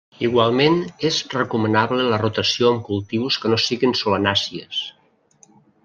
Igualment és recomanable la rotació amb cultius que no siguen solanàcies.